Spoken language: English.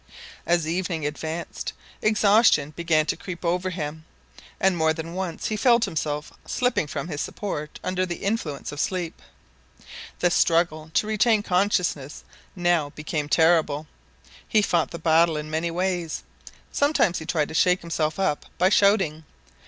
As evening advanced, exhaustion began to creep over him, and more than once he felt himself slipping from his support under the influence of sleep. The struggle to retain consciousness now became terrible. He fought the battle in many ways. Sometimes he tried to shake himself up by shouting.